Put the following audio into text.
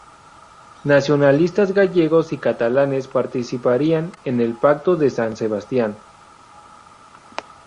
Nacionalistas gallegos y catalanes participarían en el Pacto de San Sebastián.